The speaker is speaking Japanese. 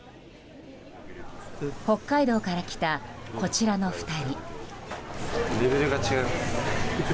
北海道から来たこちらの２人。